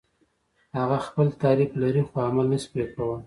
هغه خپل تعریف لري خو عمل نشي پرې کولای.